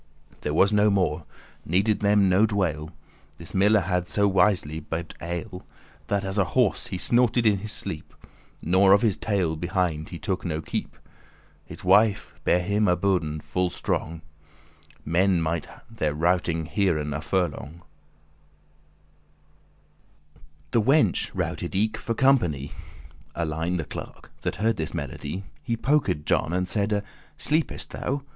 There was no more; needed them no dwale.<19> This miller had, so wisly* bibbed ale, *certainly That as a horse he snorted in his sleep, Nor of his tail behind he took no keep*. *heed His wife bare him a burdoun*, a full strong; *bass <20> Men might their routing* hearen a furlong. *snoring The wenche routed eke for company. Alein the clerk, that heard this melody, He poked John, and saide: "Sleepest thou?